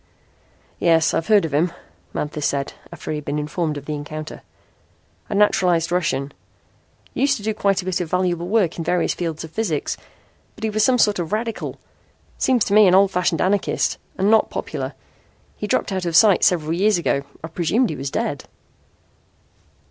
"Yes, I've heard of him," Manthis said after he had been informed of the encounter. "A naturalized Russian. Used to do quite a bit of valuable work in various fields of physics. But he was some sort of radical seems to me an old fashioned anarchist and not popular. He dropped out of sight several years ago. I presumed he was dead."